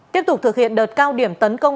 tiếp tục thực hiện đợt cao điểm tấn công